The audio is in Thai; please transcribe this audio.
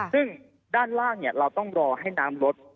ซึ่งด้านล่างเราต้องรอให้น้ำลด